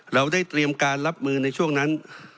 เราได้เตรียมการรับมือในช่วงนั้น